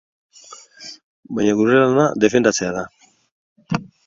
Baina gure lana defendatzea da.